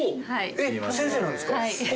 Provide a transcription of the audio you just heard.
えっ先生なんですか？